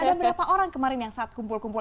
dan ada berapa orang kemarin yang saat kumpul kumpul